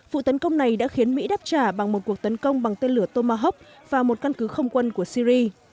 vụ tấn công này đã khiến mỹ đáp trả bằng một cuộc tấn công bằng tên lửa tomahawk vào một căn cứ không quân của syri